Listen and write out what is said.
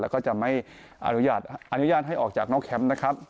แล้วก็จะไม่อนุญาตให้ออกจากนอกแคมป์นะครับ